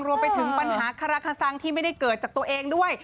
รวมไปถึงปัญหาคาราคาซังที่ไม่ได้เกิดจากตัวเองด้วย